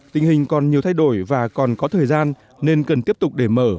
tình hình còn nhiều thay đổi và còn có thời gian nên cần tiếp tục để mở